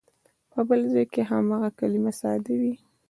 په بل ځای کې هماغه کلمه ساده وي.